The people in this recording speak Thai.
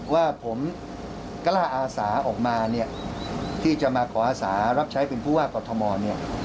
ว่าผมกล้าอาสาออกมาเนี่ยที่จะมาขออาศารับใช้เป็นผู้ว่ากอทมเนี่ย